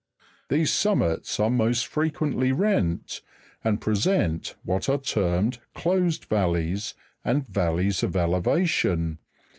These summits are most frequently rent, and present what are termed dosed valleys, and valleys of elevation (Jig.